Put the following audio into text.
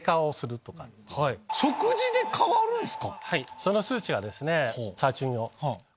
その数値はですね。